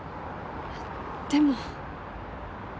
でも。